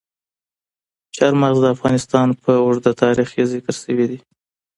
چار مغز د افغانستان په اوږده تاریخ کې ذکر شوی دی.